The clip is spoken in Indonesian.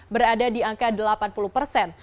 berada di angka delapan puluh persen